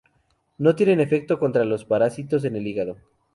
No tienen efecto contra los parásitos en el hígado.